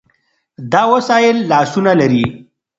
دا وسایل لاسونه لري.